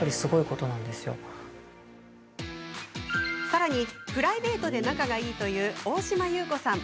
さらに、プライベートで仲がいいという大島優子さん。